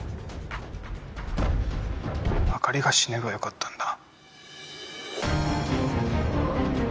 朱莉が死ねばよかったんだ。